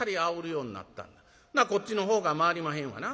ほなこっちのほうが回りまへんわな。